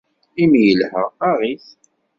Imi yelha aɣ-it.